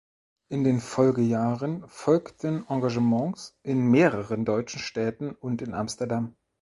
In den Folgejahren folgten Engagements in mehreren deutschen Städten und in Amsterdam.